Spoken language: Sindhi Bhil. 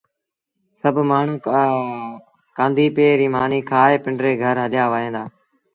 سڀ مآڻهوٚٚݩ ڪآݩڌيپي ريٚ مآݩيٚ کآئي پنڊري گھر هليآ وهيݩ دآ